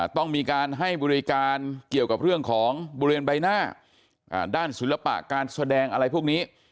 ต้องมีการให้บริการเกี่ยวกับเรื่องของบริเวณใบหน้าด้านศิลปะการแสดงอะไรพวกนี้